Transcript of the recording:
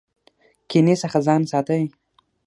کینې څخه ځان ساتئ